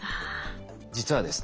実はですね